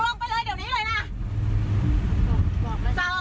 จอดจอดเลยค่ะอะไรผมก็คุยกับป้าอยู่จอดเลยค่ะ